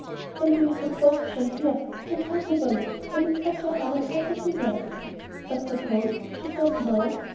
When do you suppose we shall hear? I can hardly wait, I am in such a hurry to have her say 'Yes.'" "But suppose she says 'No'?"